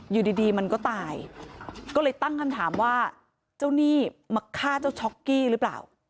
อยู่ดีมันก็ตายก็เลยตั้งคำถามว่าเจ้าหนี้มาฆ่าเจ้าช็อกกี้หรือเปล่า